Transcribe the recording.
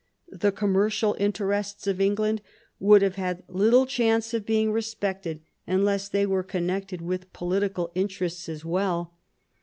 The commercial interests of England would have had little chance of being re spected unless they were connected with political interests as well.